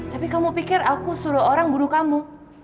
tapi kamu pikir aku suruh orang buru kamu